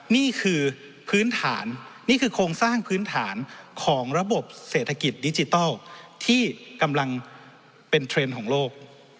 นี่คือพื้นฐานนี่คือโครงสร้างพื้นฐานของระบบเศรษฐกิจดิจิทัลที่กำลังเป็นเทรนด์ของโลก